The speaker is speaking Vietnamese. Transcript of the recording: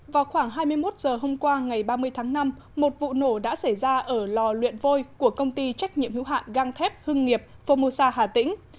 vào khoảng hai mươi một giờ hôm qua ngày ba mươi tháng năm một vụ nổ đã xảy ra ở lò luyện vôi của công ty trách nhiệm hữu hạn găng thép hưng nghiệp formosa hà tĩnh